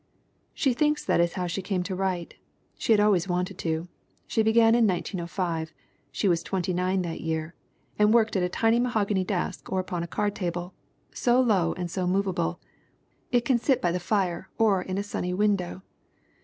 She thinks that is how she came to write. She had always wanted to. She began in 1905 she was twenty nine that year and worked at a "tiny" ma hogany desk or upon a card table, "so low and so movable. It can sit by the fire or in a sunny window."